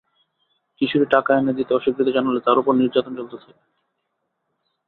কিশোরী টাকা এনে দিতে অস্বীকৃতি জানালে তার ওপর নির্যাতন চলতে থাকে।